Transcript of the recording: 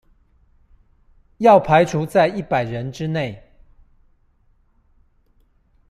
要排除在一百人之内